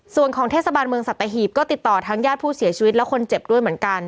ส่วนของเทศบาลเมืองสัตหีบก็ติดต่อทั้งญาติผู้เสียชีวิตและคนเจ็บด้วยเหมือนกัน